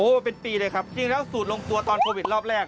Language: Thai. เป็นปีเลยครับจริงแล้วสูตรลงตัวตอนโควิดรอบแรก